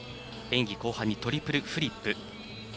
演技後半にトリプルフリップ。